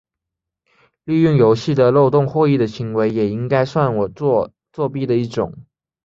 利用游戏的漏洞获益的行为也应该算作作弊的一种。